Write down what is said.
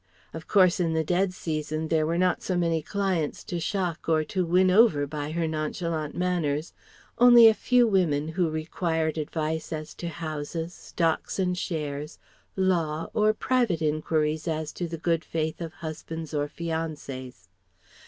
Of course, in the dead season there were not many clients to shock or to win over by her nonchalant manners, only a few women who required advice as to houses, stocks, and shares, law, or private enquiries as to the good faith of husbands or fiancés.